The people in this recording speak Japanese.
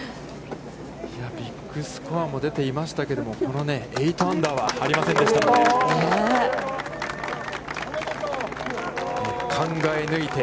ビッグスコアも出ていましたけど、この８アンダーはありませんでしたので。